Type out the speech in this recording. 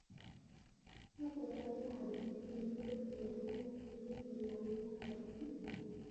সফরকালে ভারতের শীর্ষ নেতৃত্বের সঙ্গে দ্বিপক্ষীয় বিষয় নিয়ে আলোচনা করেন শিরীন শারমিন।